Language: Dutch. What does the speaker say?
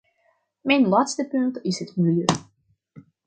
Mijn laatste punt is het milieu.